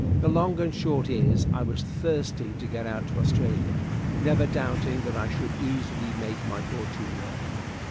The long and short is, I was thirsting to get out to Australia, never doubting that I should easily make my fortune there.